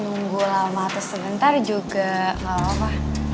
nunggu lama atau sebentar juga gak apa apa